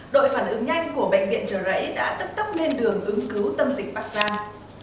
đội phản ứng nhanh của bệnh viện trời rẫy đã tức tức lên đường ứng cứu tâm dịch bác giang